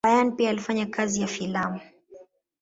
Payn pia alifanya kazi ya filamu.